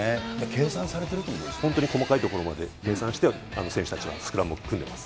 計算されて本当に細かいところまで計算して選手たちはスクラムを組んでます。